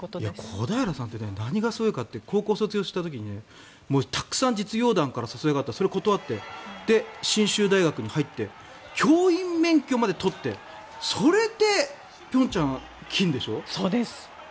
小平さんって何がすごいかって言ったら高校卒業した時にたくさん実業団から誘いがあってそれを断って信州大学に入って教員免許まで取ってそれで平昌、金でしょ。